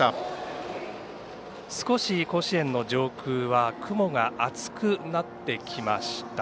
少し、甲子園の上空は雲が厚くなってきました。